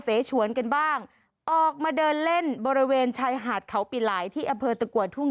เสฉวนกันบ้างออกมาเดินเล่นบริเวณชายหาดเขาปีหลายที่อำเภอตะกัวทุ่ง